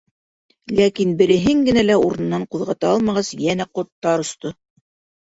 Ләкин береһен генә лә урынынан ҡуҙғата алмағас, йәнә ҡоттар осто.